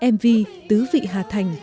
mv tứ vị hà thành